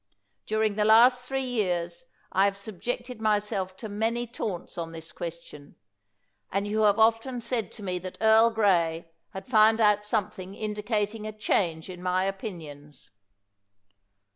During the last three years I have .subjected myself to many 186 PEEL taunts on this question, and you have often said to me that Earl Grey had found out something indicating a change in my opinions.